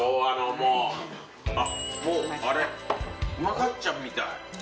もうあれうまかっちゃんみたい。